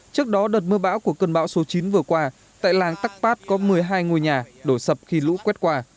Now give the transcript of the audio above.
trước đó đợt mưa bão của cơn bão số chín vừa qua tại làng tắc phát có một mươi hai ngôi nhà đổ sập khi lũ quét qua